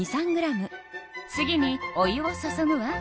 次にお湯を注ぐわ。